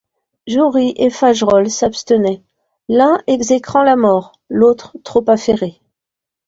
Jory et Fagerolles s'abstenaient, l'un exécrant la mort, l'autre trop affairé.